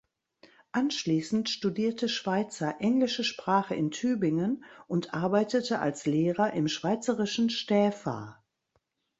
Anschließend studierte Schweitzer englische Sprache in Tübingen und arbeitete als Lehrer im schweizerischen Stäfa.